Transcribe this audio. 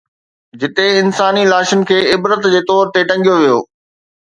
جتي انساني لاشن کي عبرت جي طور تي ٽنگيو ويو.